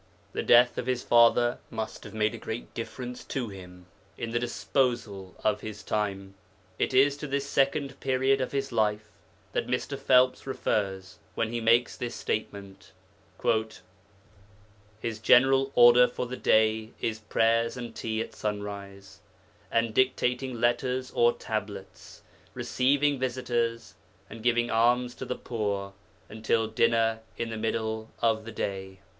The death of his father must have made a great difference to him In the disposal of his time. It is to this second period in his life that Mr. Phelps refers when he makes this statement: 'His general order for the day is prayers and tea at sunrise, and dictating letters or "tablets," receiving visitors, and giving alms to the poor until dinner in the middle of the day.